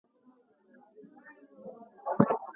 انسان له تخیل پرته نه شي اوسېدای.